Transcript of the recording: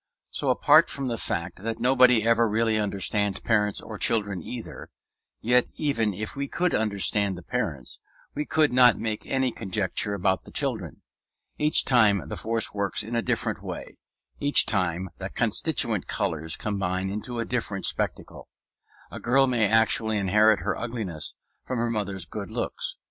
So, apart from the fact that nobody ever really understands parents or children either, yet even if we could understand the parents, we could not make any conjecture about the children. Each time the force works in a different way; each time the constituent colors combine into a different spectacle. A girl may actually inherit her ugliness from her mother's good looks.